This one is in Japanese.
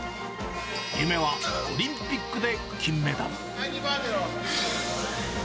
夢はオリンピックで金メダル。